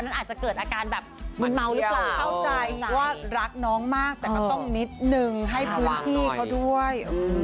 คผมเข้าใจว่ารักน้องมากแต่มาต้องนิดนึงให้พื้นที่เขาด้วย